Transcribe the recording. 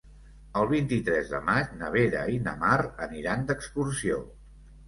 El vint-i-tres de maig na Vera i na Mar aniran d'excursió.